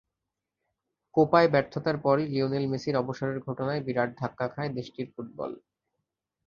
কোপায় ব্যর্থতার পরই লিওনেল মেসির অবসরের ঘটনায় বিরাট ধাক্কা খায় দেশটির ফুটবল।